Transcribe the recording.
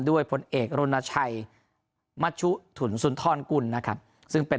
ด้วยผลเอกโรนาชัยมัชชุถุ๋นสุนทรคุณนะครับซึ่งเป็น